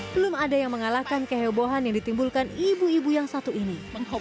belum ada yang mengalahkan kehebohan yang ditimbulkan ibu ibu yang satu ini